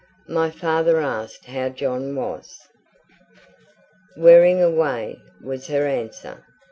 My father asked how John was. "Wearing away," was her answer.